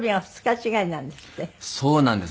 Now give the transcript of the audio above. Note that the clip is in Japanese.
そうなんです。